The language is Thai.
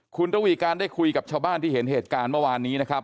คุณระวีการได้คุยกับชาวบ้านที่เห็นเหตุการณ์เมื่อวานนี้นะครับ